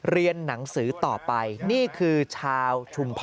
เรียนหนังสือต่อไปนี่คือชาวชุมพร